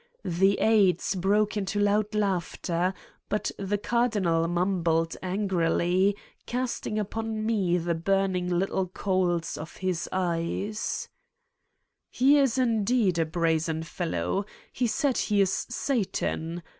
The aides broke into loud laughter, but the Cardinal mumbled angrily, casting upon me the burning little coals of his eyes : "He is indeed a brazen fellow. He said he is Satan.